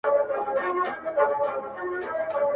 o پر مردار بوټي سپی هم بولي نه کوي.